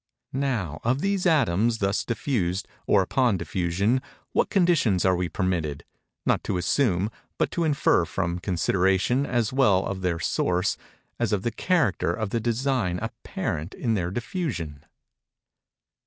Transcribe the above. Now, of these atoms, thus diffused, or upon diffusion, what conditions are we permitted—not to assume, but to infer, from consideration as well of their source as of the character of the design apparent in their diffusion?